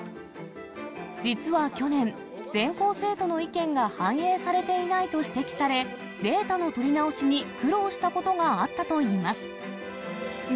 実は去年、全校生徒の意見が反映されていないと指摘され、データの取り直しに苦労したことがあったといいます。